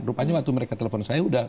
rupanya waktu mereka telepon saya